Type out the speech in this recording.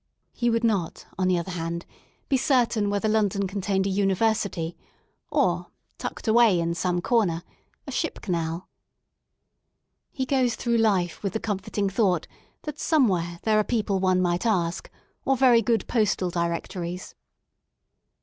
He would not, on the other hand, be certain whether London contained a University, or, tucked away in some corner, a ship canaL He goes through life with the comforting thought that somewhere there are people one might ask, or very good postal directories.